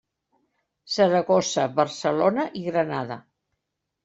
Saragossa, Barcelona i Granada.